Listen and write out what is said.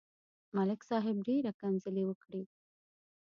ملک صاحب ډېره کنځلې وکړې.